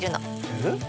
えっ？